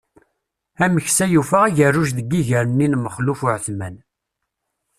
Ameksa yufa agerruj deg iger-nni n Maxluf Uεetman.